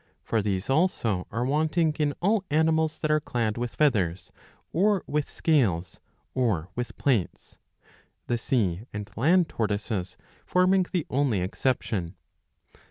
For these also are wanting in all animals that are clad with feathers or with scales or with plates ; the sea and land tortoises^ forming the only exception.